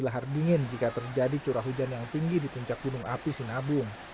lahar dingin jika terjadi curah hujan yang tinggi di puncak gunung api sinabung